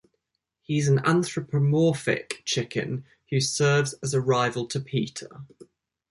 He is an anthropomorphic chicken who serves as a rival to Peter.